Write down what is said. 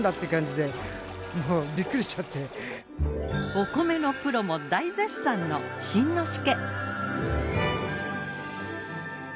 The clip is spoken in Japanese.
お米のプロも大絶賛の新之助。